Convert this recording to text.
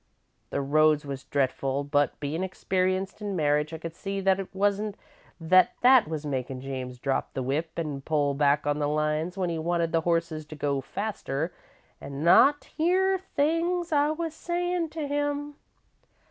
"The roads was dretful, but bein' experienced in marriage, I could see that it wasn't that that was makin' James drop the whip, an' pull back on the lines when he wanted the horses to go faster, an' not hear things I was a sayin' to him.